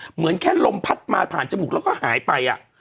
เหมือนแค่ลมพัดมาผ่านจมูกแล้วก็หายไป